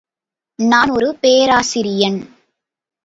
நான் ஒரு பேராசிரியன்.